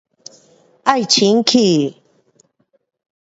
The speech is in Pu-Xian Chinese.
爱清洁